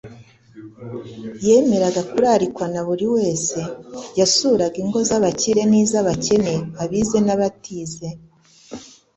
Yemeraga kurarikwa na buri wese, yasuraga ingo z’abakire n’iz’abakene, abize n’abatize